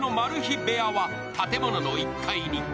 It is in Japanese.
部屋は建物の１階に。